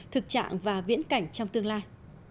thực trạng và viễn cảnh trong tương lai